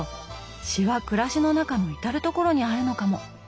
詩は暮らしの中の至る所にあるのかも。